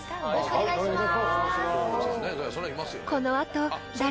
お願いします。